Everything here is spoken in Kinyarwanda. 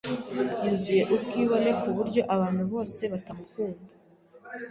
Yuzuye ubwibone kuburyo abantu bose batamukunda.